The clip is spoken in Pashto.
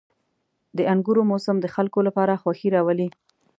• د انګورو موسم د خلکو لپاره خوښي راولي.